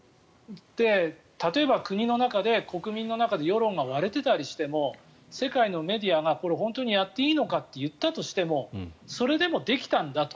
例えば、国の中で国民の中で世論が割れていたりしても世界のメディアが本当にやっていいのかと言ったとしてもそれでもできたんだと。